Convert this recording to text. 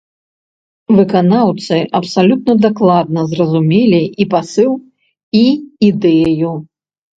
Выканаўцы абсалютна дакладна зразумелі і пасыл, і ідэю.